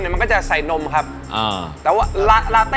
แล้วนั้นพี่ขอให้น้องฟังต่อ